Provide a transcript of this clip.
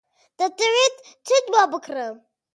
دەتەوێت چیت بۆ بکڕم؟